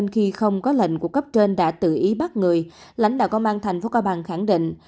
khi không có lệnh của cấp trên đã tự ý bắt người lãnh đạo công an thành phố cao bằng khẳng định